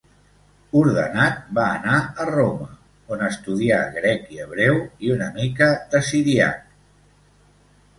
Ordenat, va anar a Roma on estudià grec i hebreu i una mica de siríac.